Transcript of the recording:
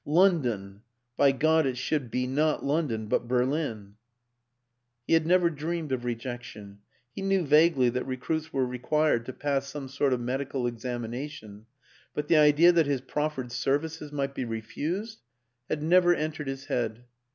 London ! by God, it should be not London but Berlin I He had never dreamed of rejection; he knew vaguely that recruits were required to pass some sort of medical examination, but the idea that his proffered services might be refused had never en 208 WILLIAM AN ENGLISHMAN tered his head.